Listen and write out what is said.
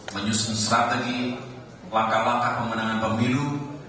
menyusun strategi langkah langkah pemenangan pemilu